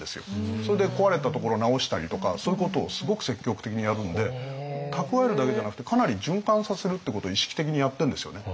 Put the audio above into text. それで壊れたところを直したりとかそういうことをすごく積極的にやるんで蓄えるだけじゃなくてかなり循環させるってことを意識的にやってんですよね。